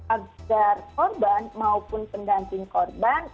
agar korban maupun pendamping korban